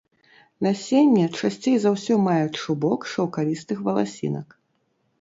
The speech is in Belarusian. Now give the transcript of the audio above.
Насенне часцей за ўсё мае чубок шаўкавістых валасінак.